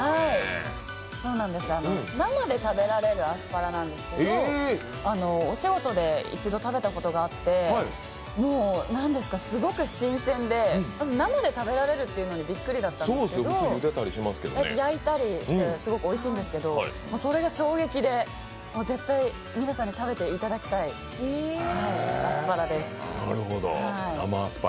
生で食べられるアスパラなんですけど、お仕事で一度食べたことがあってもう、すごく新鮮で、まず生で食べられるっていうことにびっくりだったんですけど焼いたりしたらすごくおいしいんですけどそれが衝撃で、絶対、皆さんに食べていただきたいアスパラです。